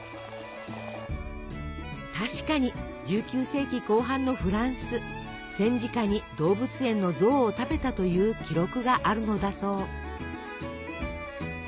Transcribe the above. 確かに１９世紀後半のフランス戦時下に動物園の象を食べたという記録があるのだそう。